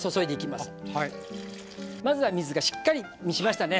まずは水がしっかり満ちましたね。